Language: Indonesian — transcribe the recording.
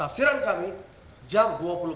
tafsiran kami jam dua puluh empat